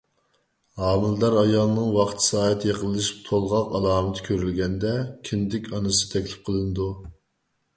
ھامىلىدار ئايالنىڭ ۋاقتى-سائىتى يېقىنلىشىپ تولغاق ئالامىتى كۆرۈلگەندە، كىندىك ئانىسى تەكلىپ قىلىنىدۇ.